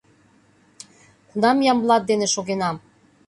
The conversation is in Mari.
Кунам Ямблат дене шогенам?